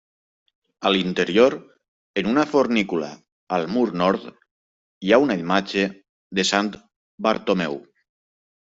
A l'interior, en una fornícula al mur nord, hi ha una imatge de Sant Bartomeu.